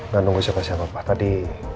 gak nunggu siapa siapa pak tadi